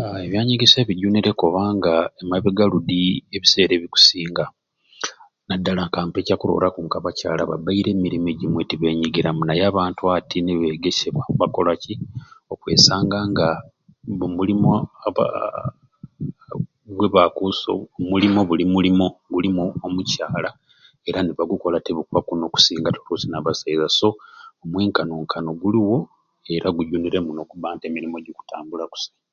Aa ebyanyegesya bijunire kubanga emabega ludi ebiseera ebikusinga naddala kampe ekyakurooraku ka abacaala babaire omumirimu egimwe tibenyigiramu naye abantu ati nibeegesebwa bbakkola ki okwesanga nga mbomulumo abaaa gwebakuso buli mulimo gulimu omucaala era nibagukola te n'okusingaku te nabasaiza so omwenkanonkano guluwo era gujunire muno okubba nga emirimo gikutambula kusai.